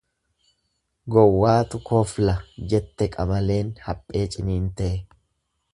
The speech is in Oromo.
Gowwaatu kofla jette qamaleen haphee ciniintee.